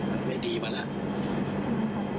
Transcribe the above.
มันไม่ดีมาแล้ว